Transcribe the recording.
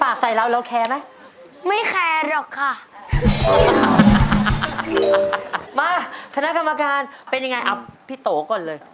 มาขณะกรรมาการเป็นยังไงอัลฟี่โต๊ก่อนเลย